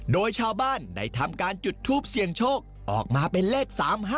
โดยชาวบ้านได้ทำการจุดทูปเสี่ยงโชคออกมาเป็นเลข๓๕